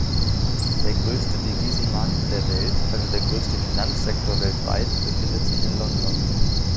Der größte Devisenmarkt der Welt, also der größte Finanzsektor weltweit, befindet sich in London.